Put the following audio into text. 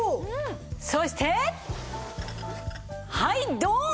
そしてはいドーン！